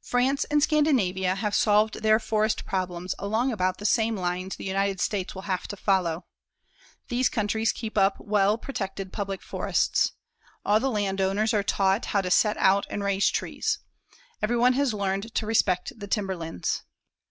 France and Scandinavia have solved their forest problems along about the same lines the United States will have to follow. These countries keep up well protected public forests. All the landowners are taught how to set out and raise trees. Everyone has learned to respect the timberlands.